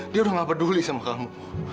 dia udah gak peduli sama kamu